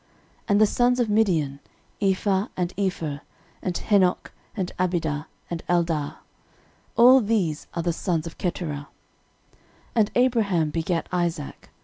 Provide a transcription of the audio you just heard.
13:001:033 And the sons of Midian; Ephah, and Epher, and Henoch, and Abida, and Eldaah. All these are the sons of Keturah. 13:001:034 And Abraham begat Isaac.